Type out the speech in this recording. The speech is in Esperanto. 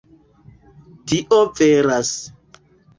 Tio veras.